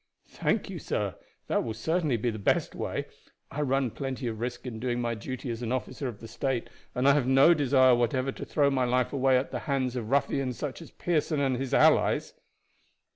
"Thank you, sir. That will certainly be the best way. I run plenty of risk in doing my duty as an officer of the state, and I have no desire whatever to throw my life away at the hands of ruffians such as Pearson and his allies."